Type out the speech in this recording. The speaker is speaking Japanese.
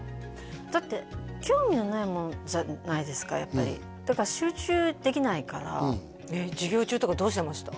だって興味のないものじゃないですかやっぱりだから集中できないからうんえっ授業中とかどうしてました？